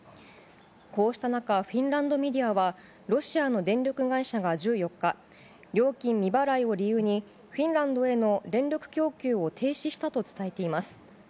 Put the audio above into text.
こうした中、フィンランドメディアは、ロシアの電力会社が１４日、料金未払いを理由に、フィンランドへの電力供給を停止したと伝えています。